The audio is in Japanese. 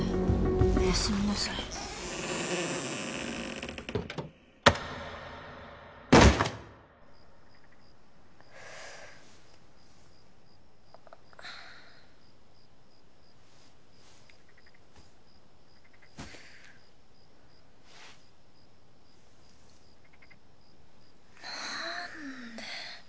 おやすみなさいうう何で？